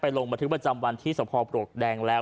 ไปลงบัตรธึกประจำวันที่สมพรปกฎแดงแล้ว